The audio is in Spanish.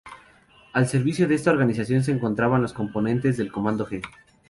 Al servicio de esta organización se encontraban los componentes del "Comando G".